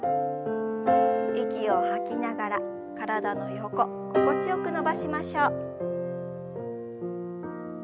息を吐きながら体の横心地よく伸ばしましょう。